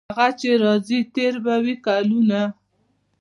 هغه چې راځي تیر به وي کلونه.